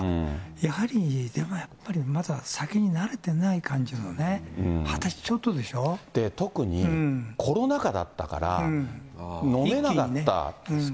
やはり、でもやっぱりまだ酒に慣れてない感じがね、特に、コロナ禍だったから、飲めなかった。